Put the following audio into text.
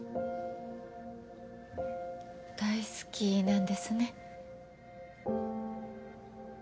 大好きなんですね。